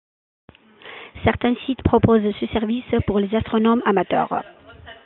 Certains sites proposent ce service pour les astronomes amateurs.